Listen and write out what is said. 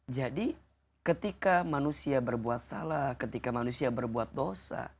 jadi ketika manusia berbuat salah ketika manusia berbuat dosa